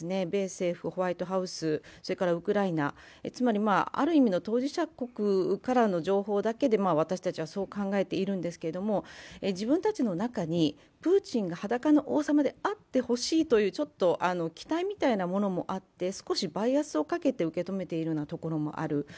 米政府、ホワイトハウス、ウクライナ、ある意味の当事者国からの情報だけで私たちはそう考えているんですけれども、自分たちの中にプーチンが裸の王様であってほしいというちょっと期待みたいなものもあって、少しバイアスをかけて受け止めているようなところもある。